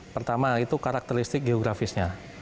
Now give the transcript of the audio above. pertama itu karakteristik geografisnya